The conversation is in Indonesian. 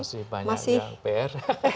masih banyak yang pr